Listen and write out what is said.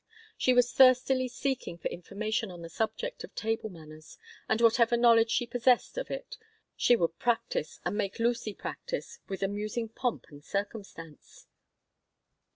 She was thirstily seeking for information on the subject of table manners, and whatever knowledge she possessed of it she would practise, and make Lucy practise, with amusing pomp and circumstance.